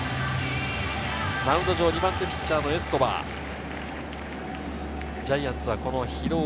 マウンド上、２番手ピッチャーのエスコバー。